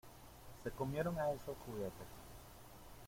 Se comieron a esos juguetes.